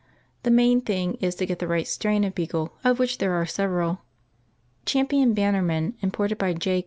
The main thing is to get the right strain of beagles, of which there are several. Champion Bannerman, imported by J.